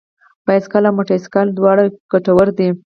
بايسکل او موټر سايکل دواړه ګټور دي.